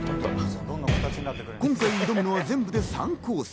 今回挑むのは全部で３コース。